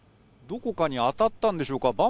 どこかに当たったんでしょうか。